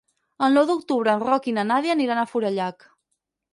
El nou d'octubre en Roc i na Nàdia aniran a Forallac.